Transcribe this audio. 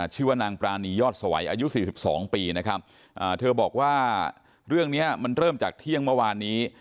ชื่อว่านางปรานียอดสวัยอายุ๔๒ปีนะครับเธอบอกว่าเรื่องนี้มันเริ่มจากเที่ยงเมื่อวานนี้